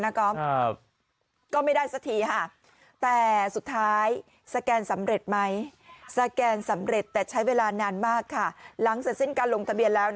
เนี่ยเนี่ยเปลี่ยนแบ็คกราวด์อย่ายิ้มสวยจังเลยอ่ะ